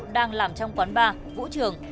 đang làm trong quán bar vũ trường